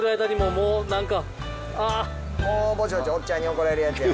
もうぼちぼちおっちゃんに怒られるやつや。